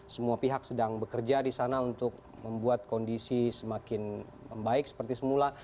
semua pihak sedang bekerja di sana untuk membuat kondisi semakin membaik seperti semula